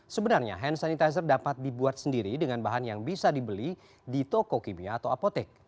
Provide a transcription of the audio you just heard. sebenarnya hand sanitizer dapat dibuat sendiri dengan bahan yang bisa dibeli di toko kimia atau apotek